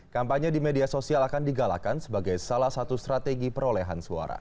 kampanye di media sosial akan digalakan sebagai salah satu strategi perolehan suara